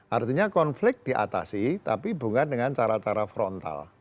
artinya konflik diatasi tapi bukan dengan cara cara frontal